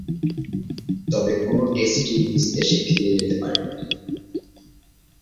তবে কোন টেস্টই নিজ দেশে খেলে যেতে পারেননি।